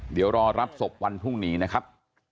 เดี๋ยวรอรับศพวันพรุ่งนี้นะครับ